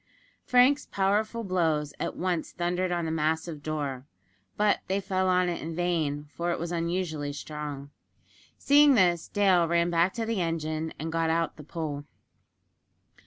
Frank's powerful blows at once thundered on the massive door; but they fell on it in vain, for it was unusually strong. Seeing this, Dale ran back to the engine, and got out the pole.